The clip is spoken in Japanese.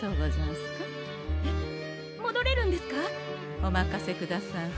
お任せくださんせ。